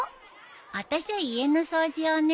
あたしは家の掃除をね。